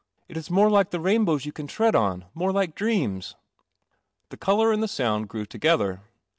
It is more like the rainbows you can tread on. More like dreams." The colour and the sound grew together.